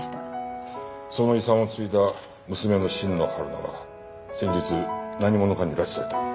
その遺産を継いだ娘の新野はるなが先日何者かに拉致された。